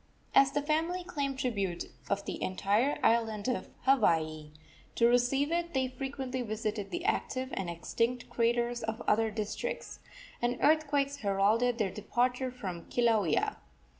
As the family claimed tribute of the entire island of Hawaii, to receive it they frequently visited the active and extinct craters of other districts, and earthquakes heralded their departure from Kilauea.